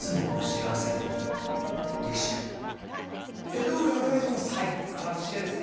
江上お願いします。